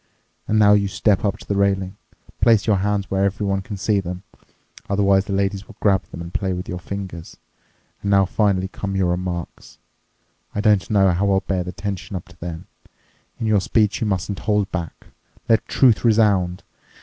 And now you step up to the railing. Place your hands where everyone can see them. Otherwise the ladies will grab them and play with your fingers. And now finally come your remarks. I don't know how I'll bear the tension up to then. In your speech you mustn't hold back. Let truth resound.